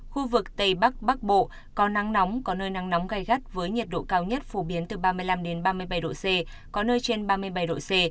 khu vực tây bắc bắc bộ có nắng nóng có nơi nắng nóng gai gắt với nhiệt độ cao nhất phổ biến từ ba mươi năm ba mươi bảy độ c có nơi trên ba mươi bảy độ c